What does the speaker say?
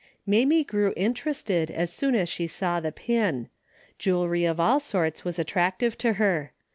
Mamie grew interested as soon as she saw the pin. Jewelry of all sorts was attractive to her.